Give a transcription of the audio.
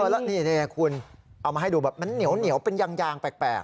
แล้วนี่คุณเอามาให้ดูแบบมันเหนียวเป็นยางแปลก